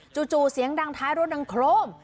เสียงดังท้ายรถดังโครม